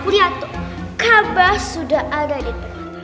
lihat tuh kaabah sudah ada di depan mata